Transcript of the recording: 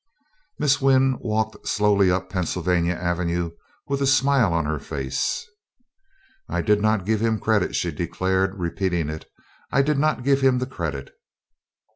Miss Wynn walked slowly up Pennsylvania Avenue with a smile on her face. "I did not give him the credit," she declared, repeating it; "I did not give him the credit.